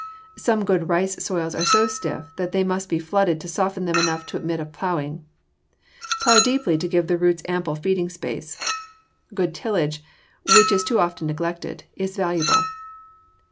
Some good rice soils are so stiff that they must be flooded to soften them enough to admit of plowing. Plow deeply to give the roots ample feeding space. Good tillage, which is too often neglected, is valuable.